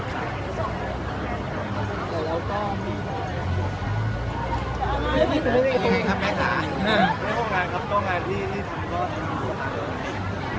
เจอตัวอีกครั้งหลายวันจอดแรงถึงย้าเอิ้น